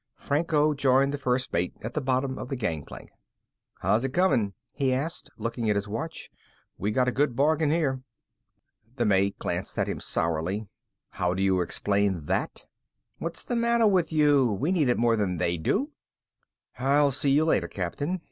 Franco joined the first mate at the bottom of the gangplank. "How's it coming?" he said. He looked at his watch. "We got a good bargain here." The mate glanced at him sourly. "How do you explain that?" "What's the matter with you? We need it more than they do." "I'll see you later, Captain."